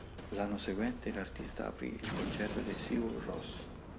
L'anno seguente l'artista aprì il concerto dei Sigur Rós.